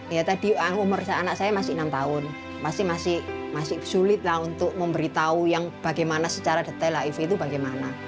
ya tadi umur anak saya masih enam tahun pasti masih sulit lah untuk memberitahu yang bagaimana secara detail hiv itu bagaimana